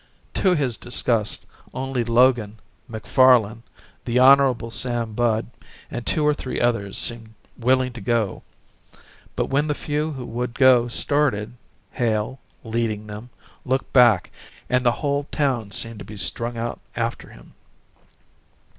To his disgust only Logan, Macfarlan, the Hon. Sam Budd, and two or three others seemed willing to go, but when the few who would go started, Hale, leading them, looked back and the whole town seemed to be strung out after him.